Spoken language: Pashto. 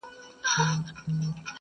• د کمزوري عاقبت -